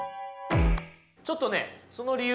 ちょっとねその理由